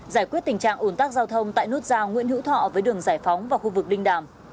giải quyết tình trạng ủn tắc giao thông tại nút giao nguyễn hữu thọ với đường giải phóng và khu vực đinh đàm